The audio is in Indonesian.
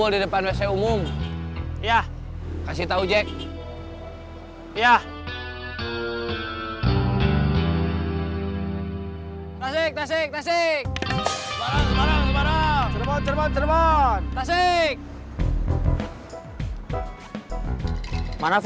semarang semarang semarang